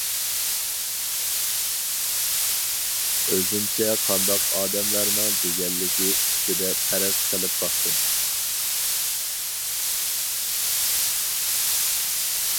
ئۆزۈمچە قانداق ئادەملەرنىڭ دېگەنلىكى ئۈستىدە پەرەز قىلىپ باقتىم.